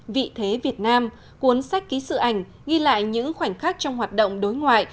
vị thế việt nam cuốn sách ký sự ảnh ghi lại những khoảnh khắc trong hoạt động đối ngoại